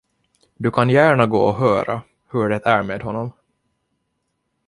Du kan gärna gå och höra, hur det är med honom.